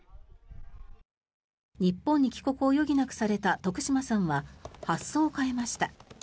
日本に帰国を余儀なくされた徳島さんは発想を変えました。